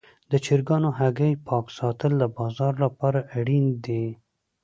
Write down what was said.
د چرګانو هګۍ پاک ساتل د بازار لپاره اړین دي.